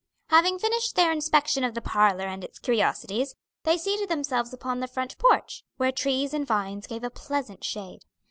Having finished their inspection of the parlor and its curiosities, they seated themselves upon the front porch, where trees and vines gave a pleasant shade.